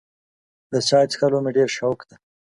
د چای څښلو مې ډېر شوق دی.